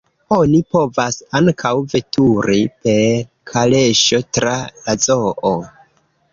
Oni povas ankaŭ veturi per kaleŝo tra la zoo.